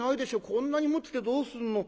こんなに持っててどうするの。